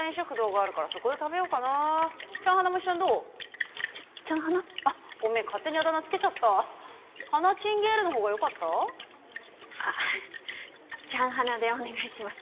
あちゃん華でお願いします。